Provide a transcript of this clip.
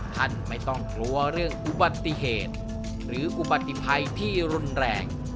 ท่านไม่ต้องกลัวเรื่องอุบัติเหตุหรืออุบัติภัยที่รุนแรง